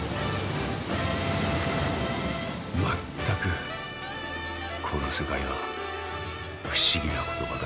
まったくこの世界は不思議なことばかりだ。